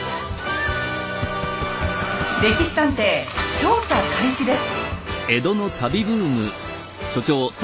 「歴史探偵」調査開始です。